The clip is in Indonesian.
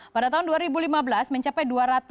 pada tahun dua ribu lima belas mencapai dua ratus